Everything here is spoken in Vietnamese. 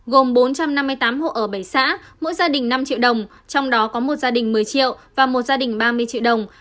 gồm bốn trăm năm mươi tám hộ ở bảy xã mỗi gia đình năm triệu đồng trong đó có một gia đình một mươi triệu và một gia đình ba mươi triệu đồng